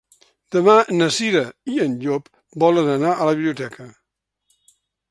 Demà na Cira i en Llop volen anar a la biblioteca.